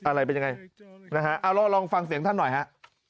อะไรเป็นยังไงนะฮะเอาลองฟังเสียงท่านหน่อยฮะ